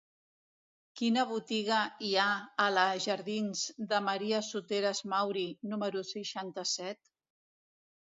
Quina botiga hi ha a la jardins de Maria Soteras Mauri número seixanta-set?